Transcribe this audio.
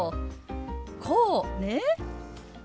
こうね？